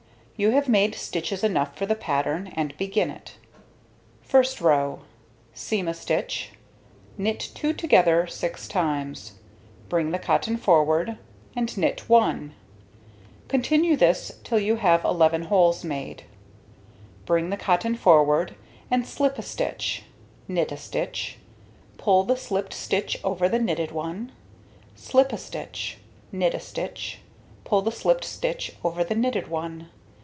You have now made stitches enough for the pattern, and begin it. First row: seam a stitch, knit 2 together 6 times, bring the cotton forward, and knit 1. Continue this till you have 11 holes made. Bring the cotton forward and slip a stitch, knit a stitch, pull the slipped stitch over the knitted one, slip a stitch, knit a stitch, pull the slipped stitch over the knitted one.